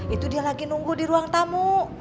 itu dia lagi nunggu di ruang tamu